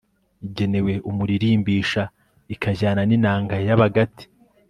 igenewe umuririmbisha. ikajyana n'inanga y'abagati